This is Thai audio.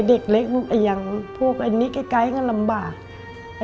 เด็กเล็กอย่างพวกอันนี้ใกล้ก็ลำบาก